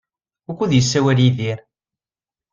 Wukud yessawal Yidir?